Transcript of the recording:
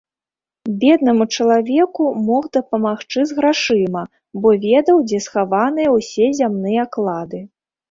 Беднаму чалавеку мог дапамагчы з грашыма, бо ведаў, дзе схаваныя ўсе зямныя клады.